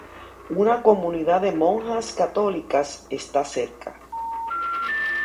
Una comunidad de monjas católicas, está cerca.